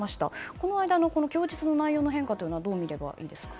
この間の供述の内容の変化はどうみればいいですか。